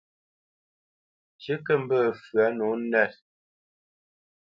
Ŋkǐ kǝ́ mbǝ́ fywǝ̂ nǒ nǝt.